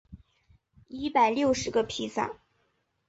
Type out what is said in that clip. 一百六十个披萨